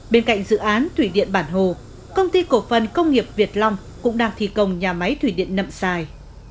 bên cạnh dự án thủy điện bản hồ công ty cổ phần công nghiệp việt long cũng đang thi công nhà máy thủy điện nậm xài